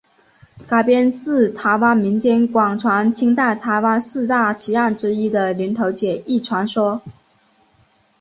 改编自台湾民间广传清代台湾四大奇案之一的林投姐一传说。